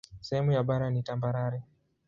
Sehemu ya bara ni tambarare.